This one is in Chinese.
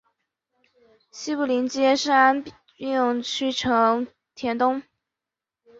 西部邻接杉并区成田东。